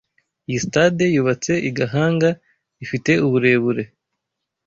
Iyi Stade yubatse i Gahanga, ifite uburebure